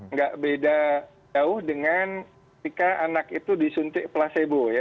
nggak beda jauh dengan ketika anak itu disuntik placebo ya